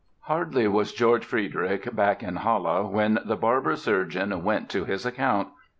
Hardly was George Frideric back in Halle when the barber surgeon went to his account.